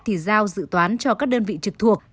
thì giao dự toán cho các đơn vị trực thuộc